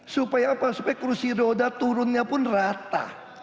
supaya apa supaya kursi roda turunnya pun rata